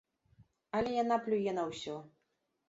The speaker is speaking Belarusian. Але яна плюе на ўсё.